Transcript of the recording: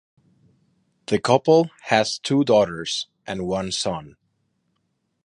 The couple has two daughters and one son.